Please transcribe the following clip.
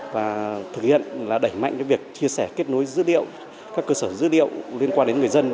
và thực hiện là đẩy mạnh việc chia sẻ kết nối dữ liệu các cơ sở dữ liệu liên quan đến người dân